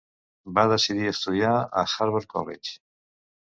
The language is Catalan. Va decidir estudiar a Harvard College.